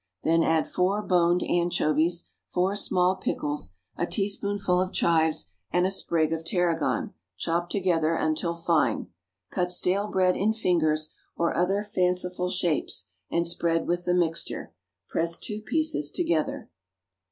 Then add four boned anchovies, four small pickles, a teaspoonful of chives and a sprig of tarragon, chopped together until fine. Cut stale bread in fingers or other fanciful shapes, and spread with the mixture. Press two pieces together.